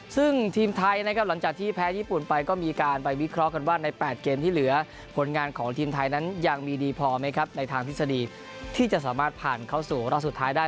ซึ่งทีมไทยนะครับหลังจากที่แพ้ญี่ปุ่นไปก็มีการไปวิเคราะห์กันว่าใน๘เกมที่เหลือผลงานของทีมไทยนั้นยังมีดีพอไหมครับในทางทฤษฎีที่จะสามารถผ่านเข้าสู่รอบสุดท้ายได้